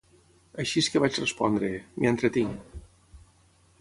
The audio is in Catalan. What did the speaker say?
Així és que vaig respondre: m'hi entretinc.